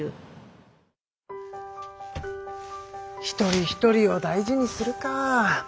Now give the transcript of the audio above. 一人一人を大事にするか。